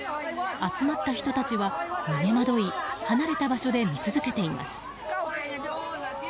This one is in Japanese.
集まった人たちは逃げまどい離れた場所で見続けています。